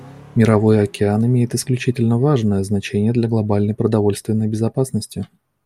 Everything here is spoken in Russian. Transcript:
Мировой океан имеет исключительно важное значение для глобальной продовольственной безопасности.